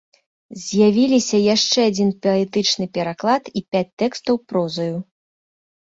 З'явіліся яшчэ адзін паэтычны пераклад і пяць тэкстаў прозаю.